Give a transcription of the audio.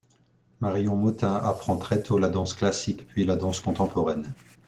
Marion Motin apprend très tôt la danse classique puis la danse contemporaine.